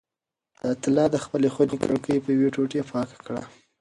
حیات الله د خپلې خونې کړکۍ په یوې ټوټې پاکه کړه.